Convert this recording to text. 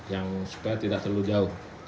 yang supaya tidak terlalu jauh